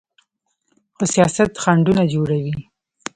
خو سیاست خنډونه جوړوي.